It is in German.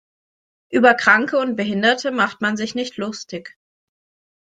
Über Kranke und Behinderte macht man sich nicht lustig.